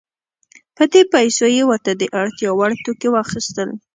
په دې پیسو یې ورته د اړتیا وړ توکي واخیستل.